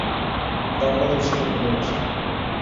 তার কাছে ছিলো ভালবাসা।